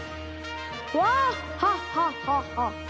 ワッハハハハ！